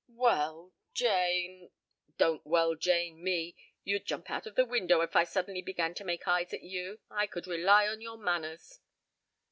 "Well Jane " "Don't 'well Jane' me! You'd jump out of the window if I suddenly began to make eyes at you. I could rely on your manners.